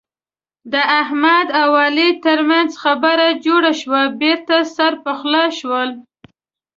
د احمد او علي ترمنځ خبره جوړه شوه. بېرته سره پخلا شول.